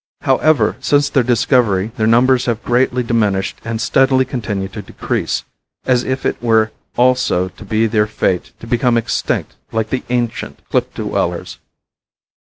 However, since their discovery their numbers have greatly diminished and steadily continue to decrease, as if it were also to be their fate to become extinct like the ancient cliff dwellers.